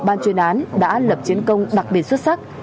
ban chuyên án đã lập chiến công đặc biệt xuất sắc